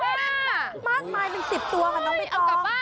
มากมายมันติดตัวกับน้องไม่ต้อง